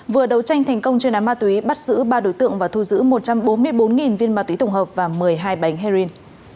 vừa đấu tranh thành công chuyên án ma túy bắt giữ ba đối tượng và thu giữ một trăm bốn mươi bốn viên ma túy tổng hợp và một mươi hai bánh heroin